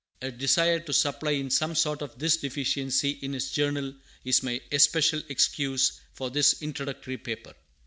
A desire to supply in some sort this deficiency in his Journal is my especial excuse for this introductory paper.